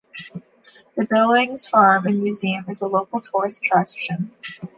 The Billings Farm and Museum is a local tourist attraction.